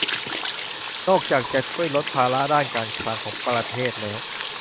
นอกจากจะช่วยลดภาระด้านการคลังของประเทศแล้ว